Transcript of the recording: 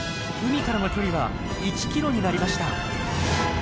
海からの距離は１ｋｍになりました。